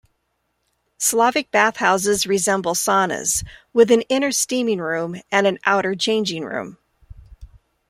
Slavic bathhouses resemble saunas, with an inner steaming room and an outer changing room.